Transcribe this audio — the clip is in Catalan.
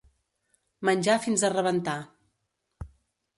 Menjar fins a rebentar.